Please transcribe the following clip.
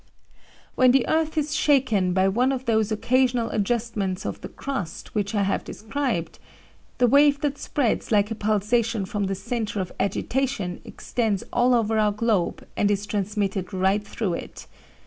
"When the earth is shaken by one of those occasional adjustments of the crust which I have described, the wave that spreads like a pulsation from the centre of agitation extends all over our globe and is transmitted right through it.